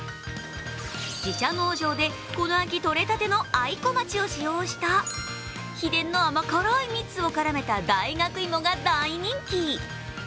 自社農場でこの秋とれたての愛小町を使用した秘伝の甘辛い蜜を絡めた大学芋が大人気。